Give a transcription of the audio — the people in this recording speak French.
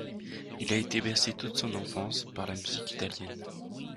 Il a été bercé toute son enfance par la musique italienne.